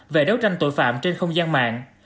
về đấu tranh tội phạm trên không gian mạng